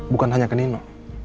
bukan hanya ke nino